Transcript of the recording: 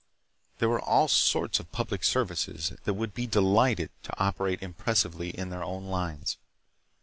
There were all sorts of public services that would be delighted to operate impressively in their own lines.